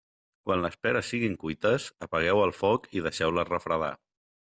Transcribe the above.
Quan les peres siguin cuites, apagueu el foc i deixeu-les refredar.